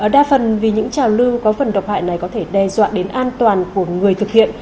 đa phần vì những trào lưu có phần độc hại này có thể đe dọa đến an toàn của người thực hiện